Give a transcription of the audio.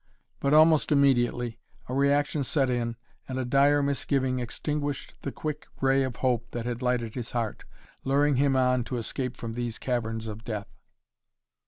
But almost immediately a reaction set in and a dire misgiving extinguished the quick ray of hope that had lighted his heart, luring him on to escape from these caverns of Death.